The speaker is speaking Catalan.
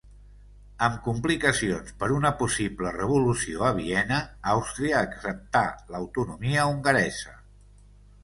Amb complicacions per una possible revolució a Viena, Àustria acceptà l'autonomia hongaresa.